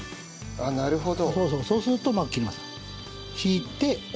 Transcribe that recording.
ああなるほど。